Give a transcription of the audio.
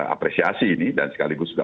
apresiasi ini dan sekaligus juga